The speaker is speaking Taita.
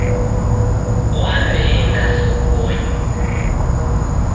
Waw'eenda sokonyi